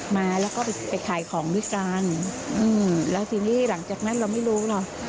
มาแล้วก็ไปไปขายของด้วยกันอืมแล้วทีนี้หลังจากนั้นเราไม่รู้หรอก